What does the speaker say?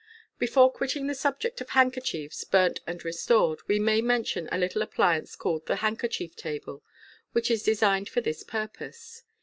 Before quitting the subject of handkerchiefs burnt and restored, we may mention a little appliance called the *' handkerchief table," which is designed for this purpose.